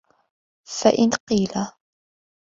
فَإِنْ قِيلَ